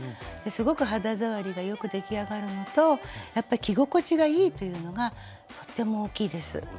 すごく肌触りが良く出来上がるのとやっぱり着心地がいいというのがとっても大きいです。